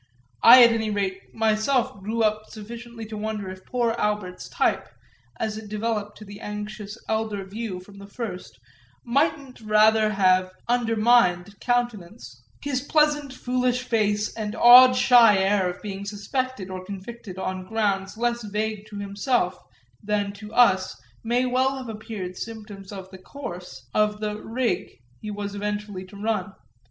I at any rate myself grew up sufficiently to wonder if poor Albert's type, as it developed to the anxious elder view from the first, mightn't rather have undermined countenance; his pleasant foolish face and odd shy air of being suspected or convicted on grounds less vague to himself than to us may well have appeared symptoms of the course, of the "rig," he was eventually to run.